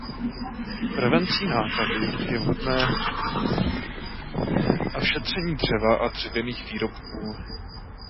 Prevencí nákazy je vhodné ošetření dřeva a dřevěných výrobků.